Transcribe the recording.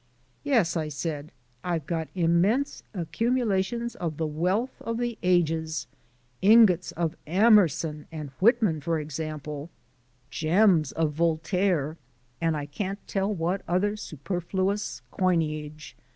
"Yes," I said. "I've got immense accumulations of the wealth of the ages ingots of Emerson and Whitman, for example, gems of Voltaire, and I can't tell what other superfluous coinage!"